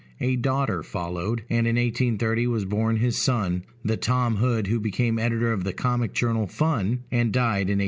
A daughter followed, and in 1830 was born his son, the Tom Hood who became editor of the comic journal Fun, and died in 1874.